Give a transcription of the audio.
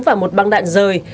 và một băng đạn rời